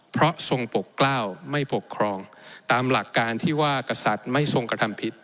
เพราะทรงปกกล้าวไม่ปกครองตามหลักการที่ว่ากษัตริย์ไม่ทรงกระทำผิด